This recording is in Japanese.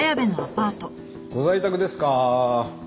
ご在宅ですかー？